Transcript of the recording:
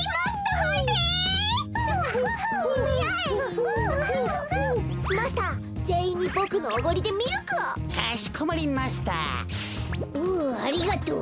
ふうありがとう。